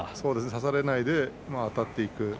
差されないであたっていく。